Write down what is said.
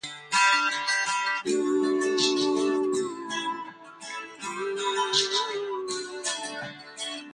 Pleuropulmonary blastoma is regarded as malignant.